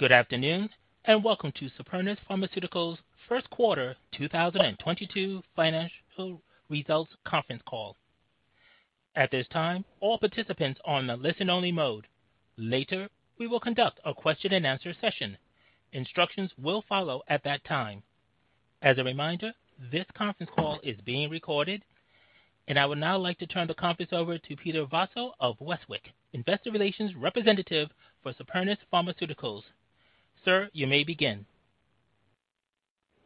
Good afternoon, and welcome to Supernus Pharmaceuticals' first quarter 2022 financial results conference call. At this time, all participants are on a listen-only mode. Later, we will conduct a question-and-answer session. Instructions will follow at that time. As a reminder, this conference call is being recorded, and I would now like to turn the conference over to Peter Vozzo of Westwicke, investor relations representative for Supernus Pharmaceuticals. Sir, you may begin.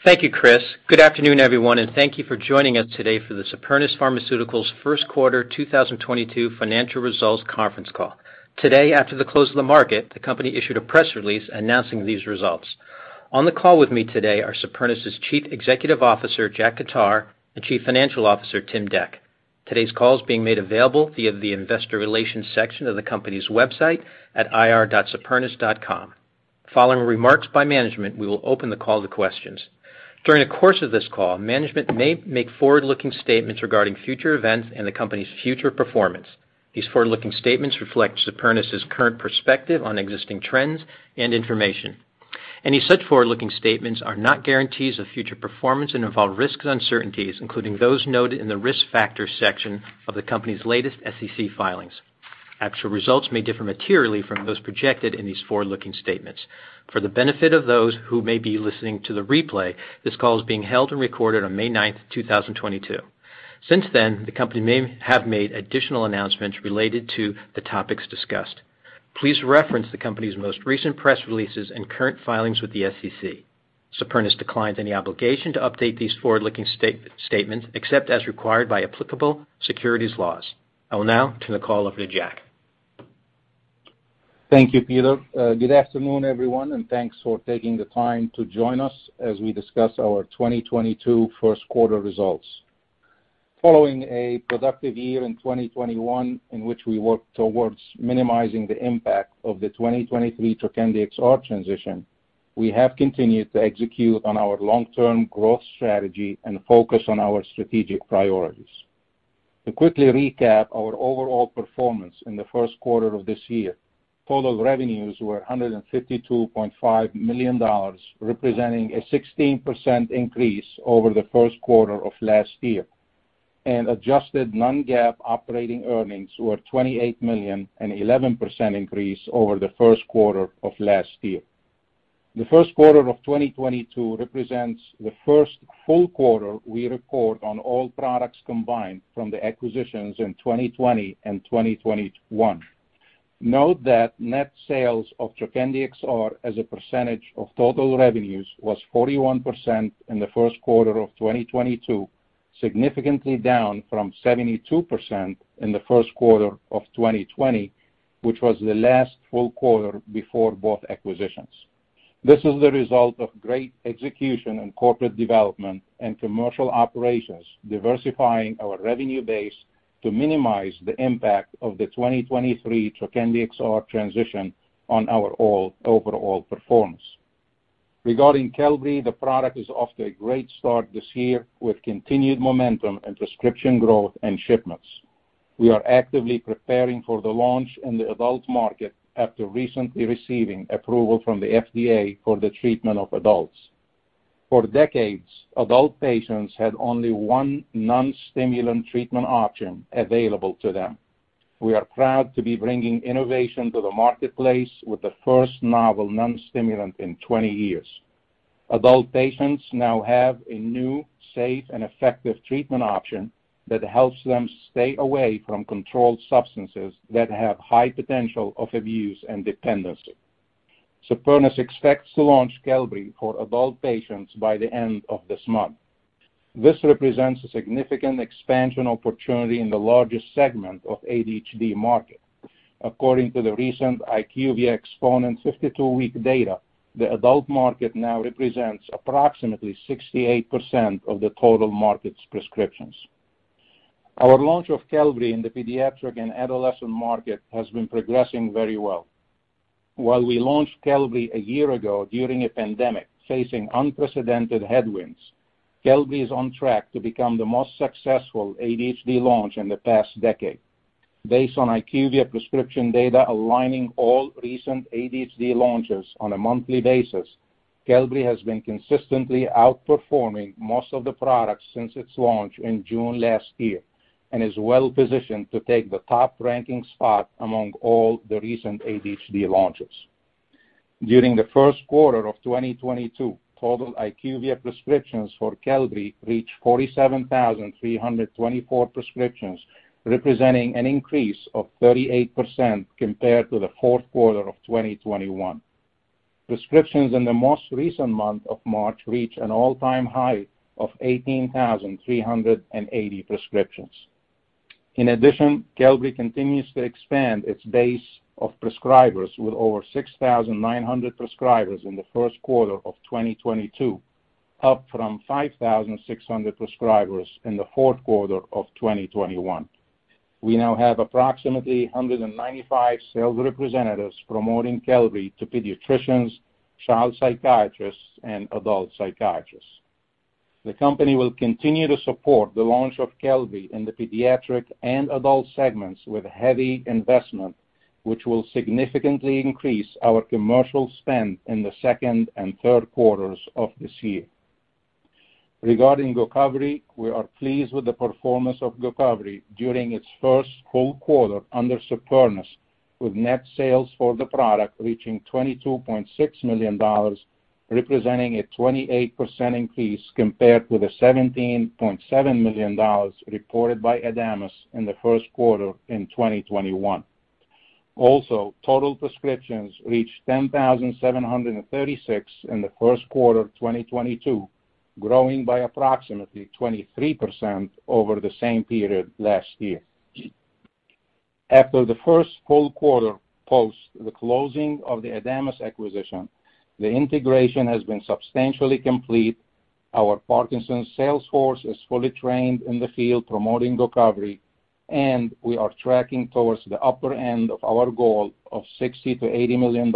Thank you, Chris. Good afternoon, everyone, and thank you for joining us today for the Supernus Pharmaceuticals first quarter 2022 financial results conference call. Today, after the close of the market, the company issued a press release announcing these results. On the call with me today are Supernus' Chief Executive Officer, Jack Khattar, and Chief Financial Officer, Tim Dec. Today's call is being made available via the investor relations section of the company's website at ir.supernus.com. Following remarks by management, we will open the call to questions. During the course of this call, management may make forward-looking statements regarding future events and the company's future performance. These forward-looking statements reflect Supernus' current perspective on existing trends and information. Any such forward-looking statements are not guarantees of future performance and involve risks and uncertainties, including those noted in the Risk Factors section of the company's latest SEC filings. Actual results may differ materially from those projected in these forward-looking statements. For the benefit of those who may be listening to the replay, this call is being held and recorded on May 9, 2022. Since then, the company may have made additional announcements related to the topics discussed. Please reference the company's most recent press releases and current filings with the SEC. Supernus declines any obligation to update these forward-looking statements except as required by applicable securities laws. I will now turn the call over to Jack. Thank you, Peter. Good afternoon, everyone, and thanks for taking the time to join us as we discuss our 2022 first quarter results. Following a productive year in 2021 in which we worked towards minimizing the impact of the 2023 Trokendi XR transition, we have continued to execute on our long-term growth strategy and focus on our strategic priorities. To quickly recap our overall performance in the first quarter of this year, total revenues were $152.5 million, representing a 16% increase over the first quarter of last year, and adjusted non-GAAP operating earnings were $28 million, an 11% increase over the first quarter of last year. The first quarter of 2022 represents the first full quarter we report on all products combined from the acquisitions in 2020 and 2021. Note that net sales of Trokendi XR as a percentage of total revenues was 41% in the first quarter of 2022, significantly down from 72% in the first quarter of 2020, which was the last full quarter before both acquisitions. This is the result of great execution and corporate development and commercial operations diversifying our revenue base to minimize the impact of the 2023 Trokendi XR transition on our overall performance. Regarding Qelbree, the product is off to a great start this year with continued momentum and prescription growth and shipments. We are actively preparing for the launch in the adult market after recently receiving approval from the FDA for the treatment of adults. For decades, adult patients had only one non-stimulant treatment option available to them. We are proud to be bringing innovation to the marketplace with the first novel non-stimulant in 20 years. Adult patients now have a new, safe, and effective treatment option that helps them stay away from controlled substances that have high potential of abuse and dependency. Supernus expects to launch Qelbree for adult patients by the end of this month. This represents a significant expansion opportunity in the largest segment of ADHD market. According to the recent IQVIA Xponent 52-week data, the adult market now represents approximately 68% of the total market's prescriptions. Our launch of Qelbree in the pediatric and adolescent market has been progressing very well. While we launched Qelbree a year ago during a pandemic, facing unprecedented headwinds, Qelbree is on track to become the most successful ADHD launch in the past decade. Based on IQVIA prescription data aligning all recent ADHD launches on a monthly basis, Qelbree has been consistently outperforming most of the products since its launch in June last year and is well-positioned to take the top ranking spot among all the recent ADHD launches. During the first quarter of 2022, total IQVIA prescriptions for Qelbree reached 47,324 prescriptions, representing an increase of 38% compared to the fourth quarter of 2021. Prescriptions in the most recent month of March reached an all-time high of 18,380 prescriptions. In addition, Qelbree continues to expand its base of prescribers with over 6,900 prescribers in the first quarter of 2022, up from 5,600 prescribers in the fourth quarter of 2021. We now have approximately 195 sales representatives promoting Qelbree to pediatricians, child psychiatrists, and adult psychiatrists. The company will continue to support the launch of Qelbree in the pediatric and adult segments with heavy investment, which will significantly increase our commercial spend in the second and third quarters of this year. Regarding Gocovri, we are pleased with the performance of Gocovri during its first full quarter under Supernus, with net sales for the product reaching $22.6 million, representing a 28% increase compared with the $17.7 million reported by Adamas in the first quarter of 2021. Also, total prescriptions reached 10,736 in the first quarter of 2022, growing by approximately 23% over the same period last year. After the first full quarter post the closing of the Adamas acquisition, the integration has been substantially complete. Our Parkinson's sales force is fully trained in the field promoting Gocovri, and we are tracking towards the upper end of our goal of $60-$80 million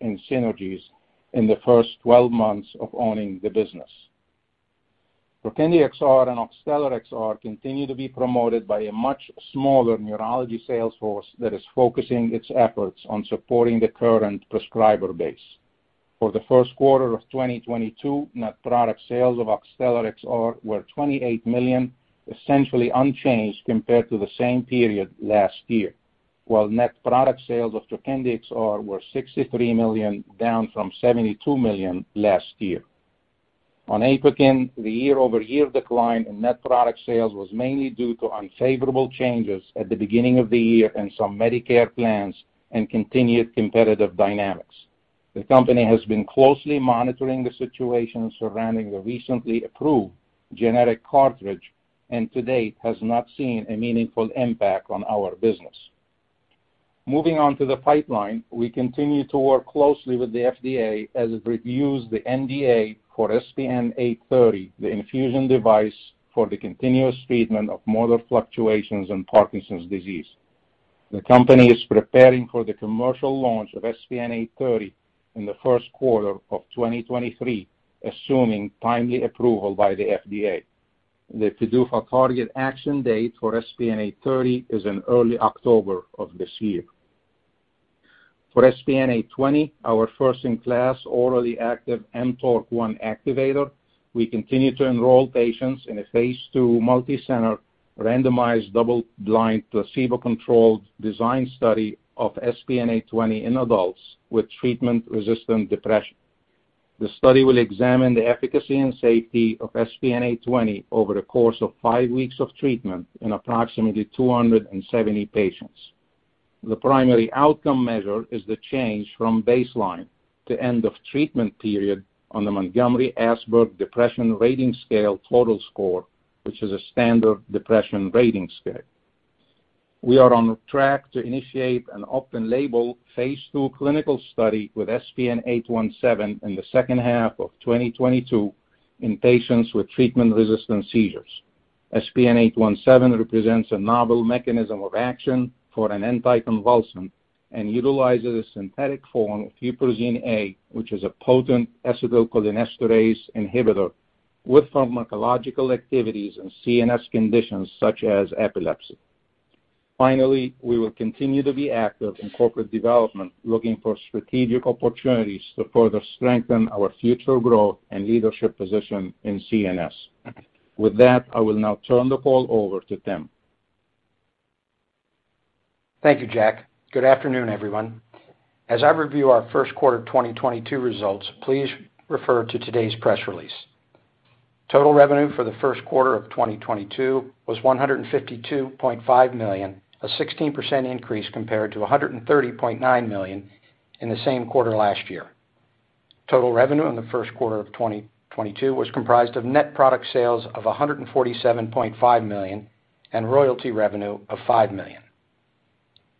in synergies in the first 12 months of owning the business. Trokendi XR and Oxtellar XR continue to be promoted by a much smaller neurology sales force that is focusing its efforts on supporting the current prescriber base. For the first quarter of 2022, net product sales of Oxtellar XR were $28 million, essentially unchanged compared to the same period last year, while net product sales of Trokendi XR were $63 million, down from $72 million last year. On Apokyn, the year-over-year decline in net product sales was mainly due to unfavorable changes at the beginning of the year and some Medicare plans and continued competitive dynamics. The company has been closely monitoring the situation surrounding the recently approved generic cartridge, and to date has not seen a meaningful impact on our business. Moving on to the pipeline, we continue to work closely with the FDA as it reviews the NDA for SPN 830, the infusion device for the continuous treatment of motor fluctuations in Parkinson's disease. The company is preparing for the commercial launch of SPN 830 in the first quarter of 2023, assuming timely approval by the FDA. The PDUFA target action date for SPN 830 is in early October of this year. For SPN 820, our first in class orally active mTORC1activator, we continue to enroll patients in a phase 2 multicenter randomized double-blind placebo-controlled design study of SPN 820 in adults with treatment-resistant depression. The study will examine the efficacy and safety of SPN-820 over the course of five weeks of treatment in approximately 270 patients. The primary outcome measure is the change from baseline to end of treatment period on the Montgomery–Åsberg Depression Rating Scale total score, which is a standard depression rating scale. We are on track to initiate an open-label phase 2 clinical study with SPN-817 in the second half of 2022 in patients with treatment-resistant seizures. SPN-817 represents a novel mechanism of action for an anticonvulsant and utilizes a synthetic form of huperzine A, which is a potent acetylcholinesterase inhibitor with pharmacological activities in CNS conditions such as epilepsy. Finally, we will continue to be active in corporate development, looking for strategic opportunities to further strengthen our future growth and leadership position in CNS. With that, I will now turn the call over to Tim. Thank you, Jack. Good afternoon, everyone. As I review our first quarter 2022 results, please refer to today's press release. Total revenue for the first quarter of 2022 was $152.5 million, a 16% increase compared to $130.9 million in the same quarter last year. Total revenue in the first quarter of 2022 was comprised of net product sales of $147.5 million and royalty revenue of $5 million.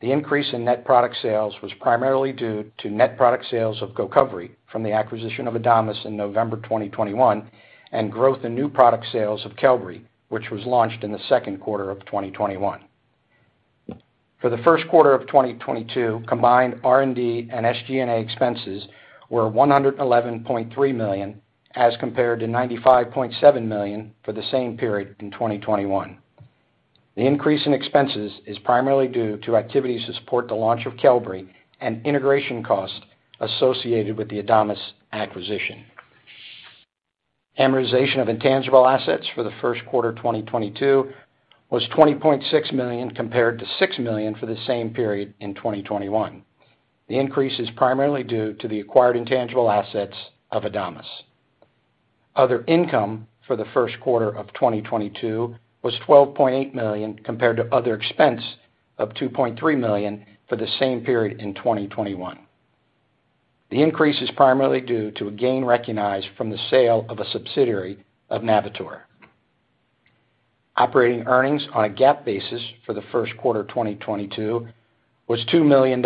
The increase in net product sales was primarily due to net product sales of Gocovri from the acquisition of Adamas in November 2021 and growth in new product sales of Qelbree, which was launched in the second quarter of 2021. For the first quarter of 2022, combined R&D and SG&A expenses were $111.3 million as compared to $95.7 million for the same period in 2021. The increase in expenses is primarily due to activities to support the launch of Qelbree and integration costs associated with the Adamas acquisition. Amortization of intangible assets for the first quarter 2022 was $20.6 million compared to $6 million for the same period in 2021. The increase is primarily due to the acquired intangible assets of Adamas. Other income for the first quarter of 2022 was $12.8 million compared to other expense of $2.3 million for the same period in 2021. The increase is primarily due to a gain recognized from the sale of a subsidiary of Navitor. Operating earnings on a GAAP basis for the first quarter of 2022 was $2 million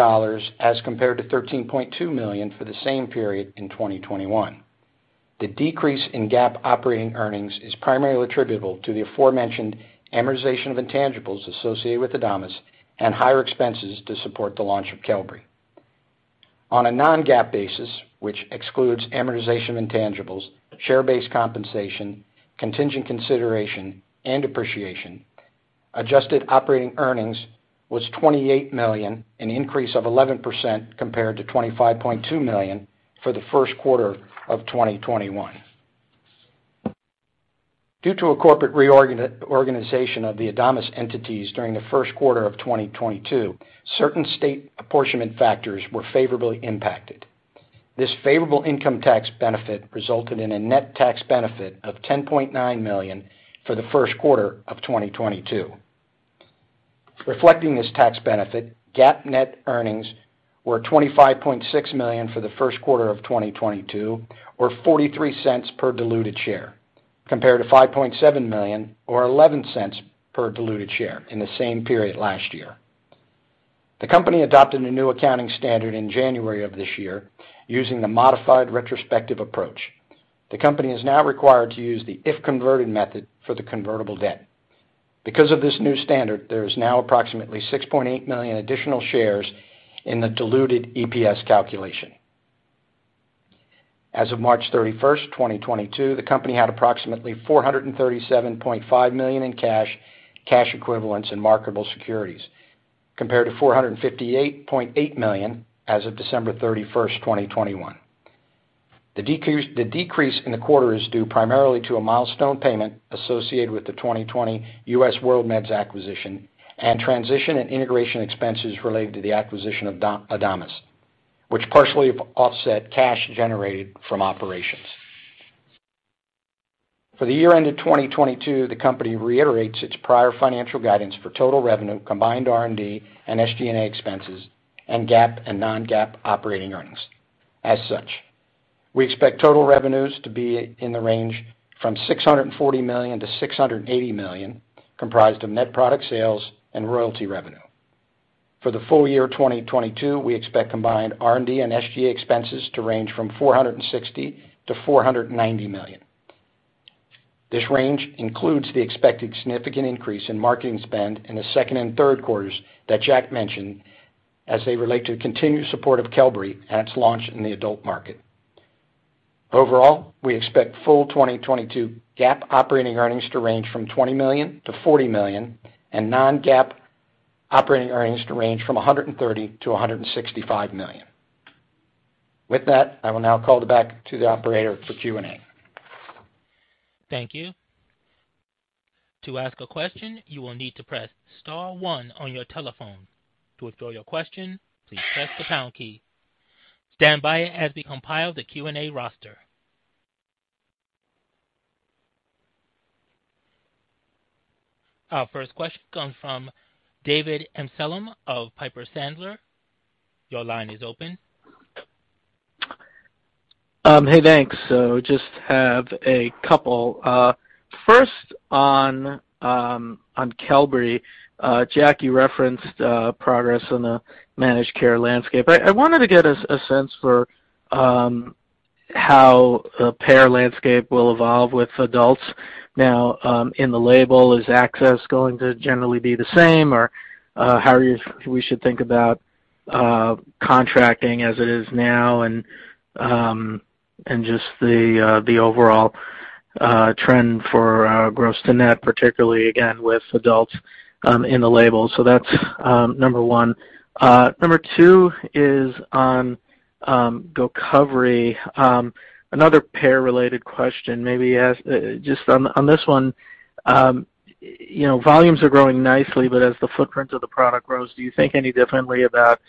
as compared to $13.2 million for the same period in 2021. The decrease in GAAP operating earnings is primarily attributable to the aforementioned amortization of intangibles associated with Adamas and higher expenses to support the launch of Qelbree. On a non-GAAP basis, which excludes amortization intangibles, share-based compensation, contingent consideration, and depreciation, adjusted operating earnings was $28 million, an increase of 11% compared to $25.2 million for the first quarter of 2021. Due to a corporate reorganization of the Adamas entities during the first quarter of 2022, certain state apportionment factors were favorably impacted. This favorable income tax benefit resulted in a net tax benefit of $10.9 million for the first quarter of 2022. Reflecting this tax benefit, GAAP net earnings were $25.6 million for the first quarter of 2022 or $0.43 per diluted share, compared to $5.7 million or $0.11 per diluted share in the same period last year. The company adopted a new accounting standard in January of this year using the modified retrospective approach. The company is now required to use the if converted method for the convertible debt. Because of this new standard, there is now approximately $6.8 million additional shares in the diluted EPS calculation. As of March 31, 2022, the company had approximately $437.5 million in cash equivalents and marketable securities, compared to $458.8 million as of December 31, 2021. The decrease in the quarter is due primarily to a milestone payment associated with the 2020 U.S. WorldMeds's acquisition and transition and integration expenses related to the acquisition of Adamas, which partially offset cash generated from operations. For the year-end of 2022, the company reiterates its prior financial guidance for total revenue, combined R&D and SG&A expenses, and GAAP and non-GAAP operating earnings. As such, we expect total revenues to be in the range from $640 million to $680 million, comprised of net product sales and royalty revenue. For the full year 2022, we expect combined R&D and SG&A expenses to range from $460 million to $490 million. This range includes the expected significant increase in marketing spend in the second and third quarters that Jack mentioned as they relate to continued support of Qelbree and its launch in the adult market. Overall, we expect full 2022 GAAP operating earnings to range from $20 million-$40 million, and non-GAAP operating earnings to range from $130 million-$165 million. With that, I will now call it back to the operator for Q&A. Thank you. To ask a question, you will need to press star one on your telephone. To withdraw your question, please press the pound key. Stand by as we compile the Q&A roster. Our first question comes from David Amsellem of Piper Sandler. Your line is open. Hey, thanks. Just have a couple. First on Qelbree, Jack, you referenced progress in the managed care landscape. I wanted to get a sense for how the payer landscape will evolve with adults now in the label. Is access going to generally be the same? Or, how we should think about contracting as it is now and just the overall trend for gross to net, particularly again with adults in the label. That's number one. Number two is on Gocovri. Another payer-related question, maybe ask just on this one, you know, volumes are growing nicely, but as the footprint of the product grows, do you think any differently about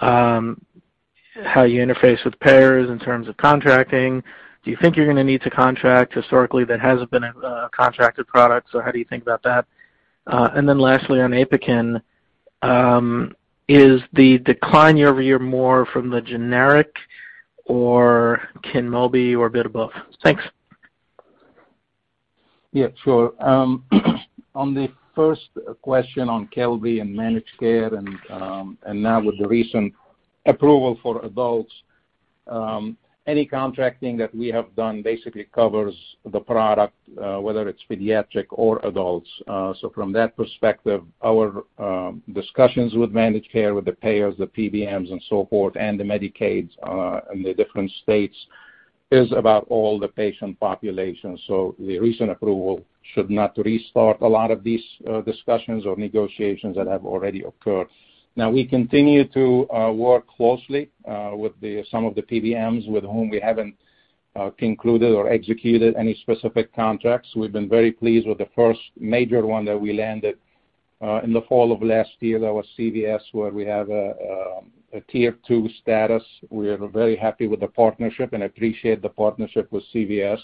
how you interface with payers in terms of contracting? Do you think you're gonna need to contract? Historically, that hasn't been a contracted product, so how do you think about that? Lastly, on Apokyn, is the decline year-over-year more from the generic or Kynmobi or a bit of both? Thanks. Yeah, sure. On the first question on Qelbree and managed care, and now with the recent approval for adults, any contracting that we have done basically covers the product, whether it's pediatric or adults. From that perspective, our discussions with managed care, with the payers, the PBMs and so forth, and the Medicaids in the different states is about all the patient population. The recent approval should not restart a lot of these discussions or negotiations that have already occurred. Now, we continue to work closely with some of the PBMs with whom we haven't concluded or executed any specific contracts. We've been very pleased with the first major one that we landed in the fall of last year. That was CVS, where we have a tier two status. We are very happy with the partnership and appreciate the partnership with CVS.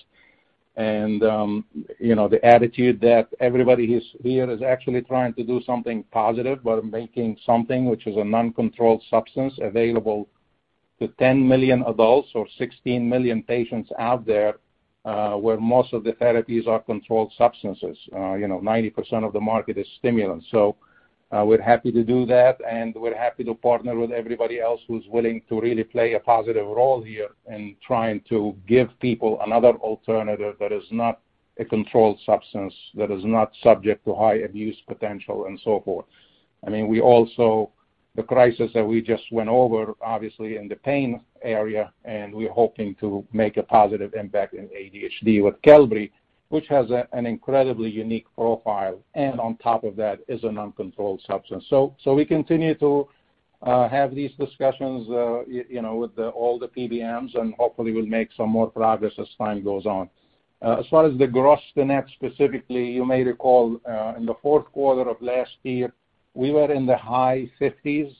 You know, the attitude that everybody who's here is actually trying to do something positive while making something which is a non-controlled substance available to 10 million adults or 16 million patients out there, where most of the therapies are controlled substances. You know, 90% of the market is stimulants. We're happy to do that, and we're happy to partner with everybody else who's willing to really play a positive role here in trying to give people another alternative that is not a controlled substance, that is not subject to high abuse potential, and so forth. I mean, we also, the crisis that we just went over, obviously in the pain area, and we're hoping to make a positive impact in ADHD with Qelbree, which has an incredibly unique profile and on top of that is an uncontrolled substance. We continue to have these discussions, you know, with all the PBMs and hopefully we'll make some more progress as time goes on. As far as the gross-to-net specifically, you may recall, in the fourth quarter of last year, we were in the high 50s%.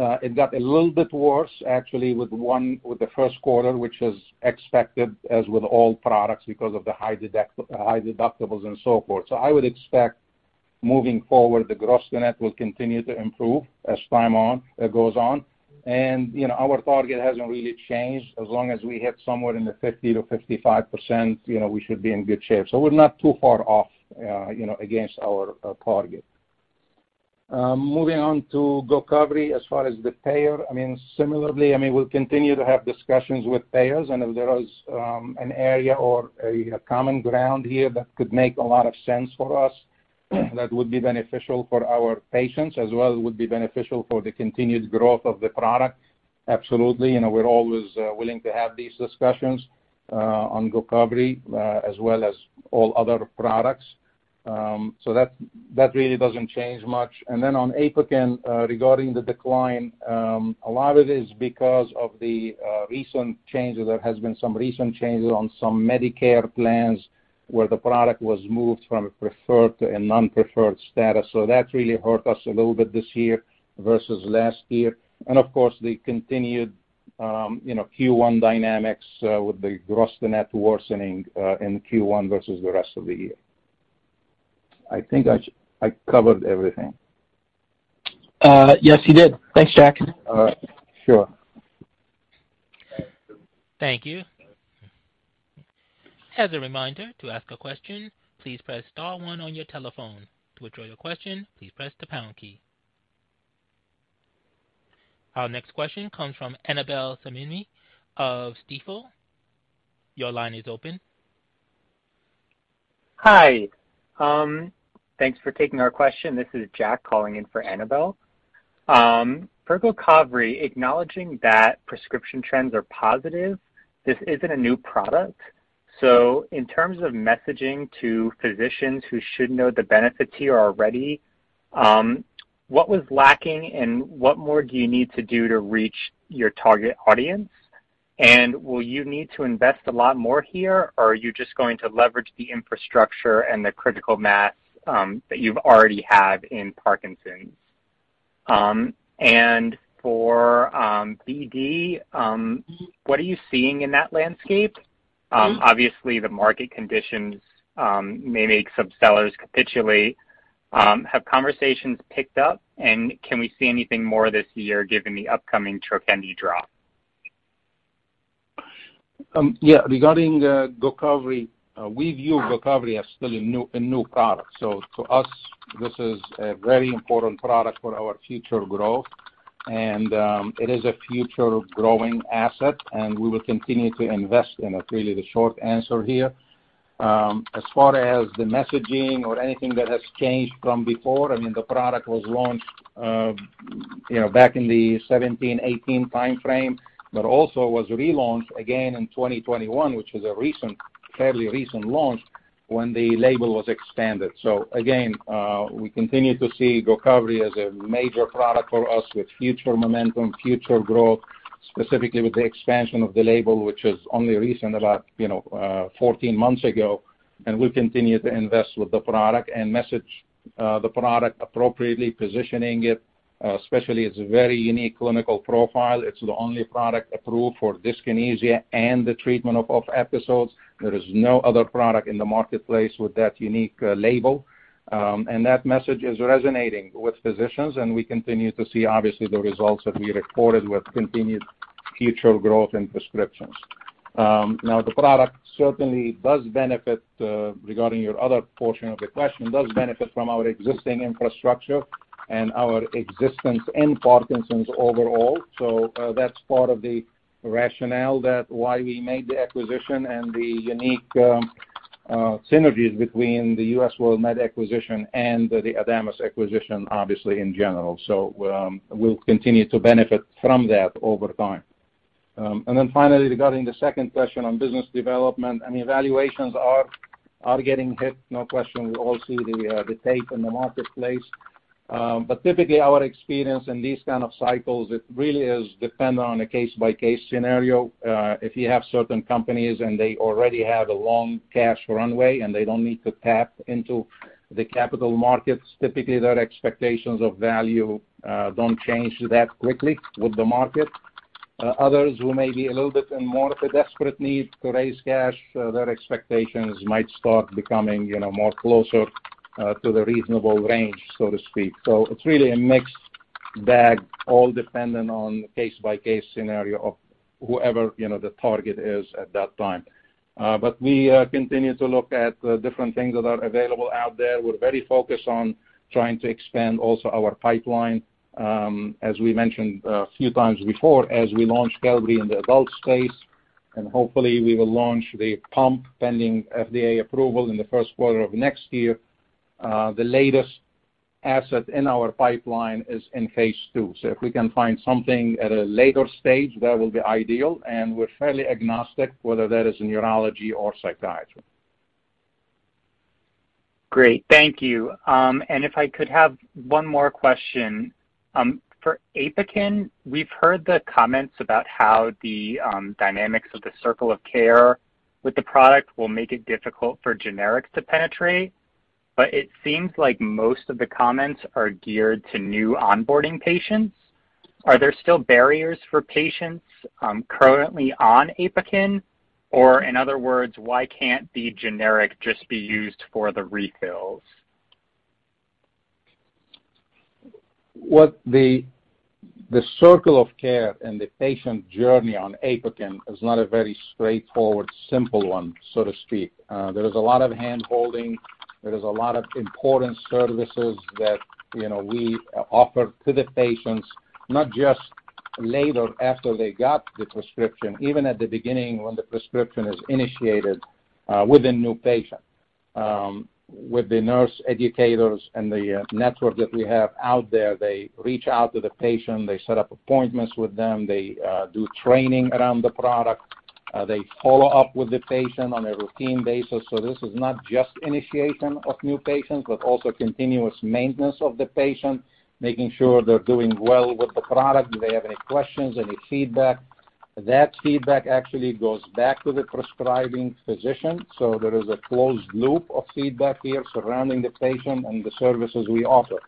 It got a little bit worse actually with the first quarter which is expected as with all products because of the high deductibles and so forth. I would expect moving forward the gross to net will continue to improve as time goes on. You know, our target hasn't really changed as long as we hit somewhere in the 50%-55%, you know, we should be in good shape. We're not too far off, you know, against our target. Moving on to Gocovri as far as the payer, I mean similarly, I mean we'll continue to have discussions with payers and if there is, an area or a common ground here that could make a lot of sense for us that would be beneficial for our patients as well as would be beneficial for the continued growth of the product, absolutely. You know, we're always willing to have these discussions, on Gocovri as well as all other products. So that really doesn't change much. Then on Apokyn, regarding the decline, a lot of it is because of the, recent changes. There has been some recent changes on some Medicare plans where the product was moved from a preferred to a non-preferred status. That really hurt us a little bit this year versus last year. Of course the continued, you know, Q1 dynamics with the gross to net worsening, in Q1 versus the rest of the year. I think I covered everything. Yes you did. Thanks Jack. Sure. Thank you. As a reminder to ask a question, please press star one on your telephone. To withdraw your question, please press the pound key. Our next question comes from Annabel Samimy of Stifel. Your line is open. Hi. Thanks for taking our question. This is Jack calling in for Annabel. For Gocovri, acknowledging that prescription trends are positive, this isn't a new product. In terms of messaging to physicians who should know the benefits here already, what was lacking and what more do you need to do to reach your target audience? Will you need to invest a lot more here or are you just going to leverage the infrastructure and the critical mass that you already have in Parkinson's? For BD, what are you seeing in that landscape? Obviously the market conditions may make some sellers capitulate. Have conversations picked up and can we see anything more this year given the upcoming Trokendi drop? Yeah. Regarding Gocovri, we view Gocovri as still a new product. To us this is a very important product for our future growth and it is a future growing asset and we will continue to invest in it. Really the short answer here. As far as the messaging or anything that has changed from before, I mean the product was launched, you know, back in the 2017-2018 time frame, but also was relaunched again in 2021, which is a recent, fairly recent launch when the label was expanded. We continue to see Gocovri as a major product for us with future momentum, future growth, specifically with the expansion of the label which is only recent about, you know, 14 months ago and we continue to invest with the product and message the product appropriately positioning it, especially its very unique clinical profile. It's the only product approved for dyskinesia and the treatment of OFF episodes. There is no other product in the marketplace with that unique label. That message is resonating with physicians and we continue to see obviously the results that we recorded with continued future growth and prescriptions. Now the product certainly does benefit, regarding your other portion of the question, from our existing infrastructure and our existence in Parkinson's overall. That's part of the rationale that's why we made the acquisition and the unique synergies between the U.S. WorldMeds acquisition and the Adamas acquisition obviously in general. We'll continue to benefit from that over time. Finally, regarding the second question on business development, I mean valuations are getting hit, no question. We all see the tape in the marketplace. Typically our experience in these kind of cycles, it really is dependent on a case-by-case scenario. If you have certain companies and they already have a long cash runway and they don't need to tap into the capital markets, typically their expectations of value don't change that quickly with the market. Others who may be a little bit in more of a desperate need to raise cash, their expectations might start becoming, you know, more closer, to the reasonable range so to speak. It's really a mixed bag all dependent on case-by-case scenario of whoever, you know, the target is at that time. We continue to look at different things that are available out there. We're very focused on trying to expand also our pipeline. As we mentioned a few times before, as we launch Qelbree in the adult space and hopefully we will launch the pump pending FDA approval in the first quarter of next year. The latest asset in our pipeline is in phase two. If we can find something at a later stage, that will be ideal. We're fairly agnostic whether that is in urology or psychiatry. Great. Thank you. If I could have one more question. For Apokyn, we've heard the comments about how the dynamics of the circle of care with the product will make it difficult for generics to penetrate, but it seems like most of the comments are geared to new onboarding patients. Are there still barriers for patients currently on Apokyn? In other words, why can't the generic just be used for the refills? The circle of care and the patient journey on Apokyn is not a very straightforward, simple one, so to speak. There is a lot of hand-holding. There is a lot of important services that, you know, we offer to the patients, not just later after they got the prescription, even at the beginning when the prescription is initiated, with a new patient. With the nurse educators and the network that we have out there, they reach out to the patient, they set up appointments with them, they do training around the product, they follow up with the patient on a routine basis. This is not just initiation of new patients but also continuous maintenance of the patient, making sure they're doing well with the product. Do they have any questions, any feedback? That feedback actually goes back to the prescribing physician. There is a closed loop of feedback here surrounding the patient and the services we offer.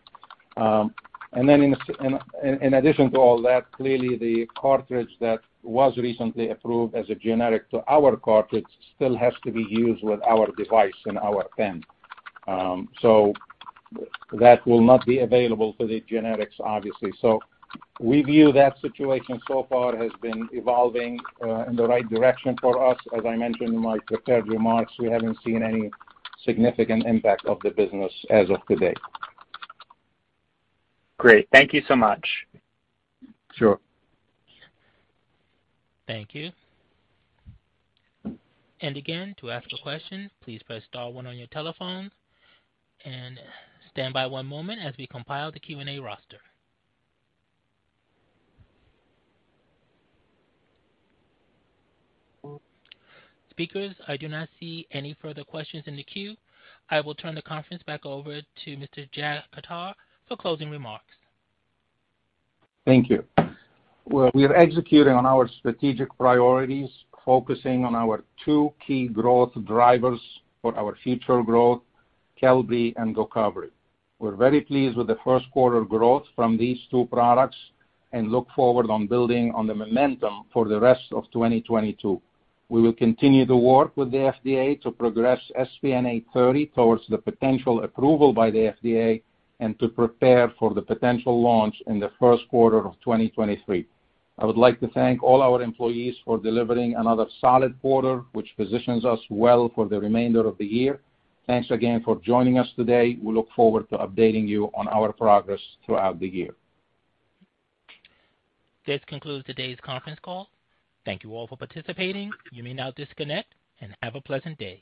In addition to all that, clearly the cartridge that was recently approved as a generic to our cartridge still has to be used with our device and our pen. That will not be available for the generics, obviously. We view that situation so far has been evolving in the right direction for us. As I mentioned in my prepared remarks, we haven't seen any significant impact of the business as of today. Great. Thank you so much. Sure. Thank you. Again, to ask a question, please press star one on your telephone and stand by one moment as we compile the Q&A roster. Speakers, I do not see any further questions in the queue. I will turn the conference back over to Mr. Jack Khattar for closing remarks. Thank you. Well, we are executing on our strategic priorities, focusing on our two key growth drivers for our future growth, Qelbree and Gocovri We're very pleased with the first quarter growth from these two products and look forward on building on the momentum for the rest of 2022. We will continue to work with the FDA to progress SPN 830 towards the potential approval by the FDA and to prepare for the potential launch in the first quarter of 2023. I would like to thank all our employees for delivering another solid quarter, which positions us well for the remainder of the year. Thanks again for joining us today. We look forward to updating you on our progress throughout the year. This concludes today's conference call. Thank you all for participating. You may now disconnect, and have a pleasant day.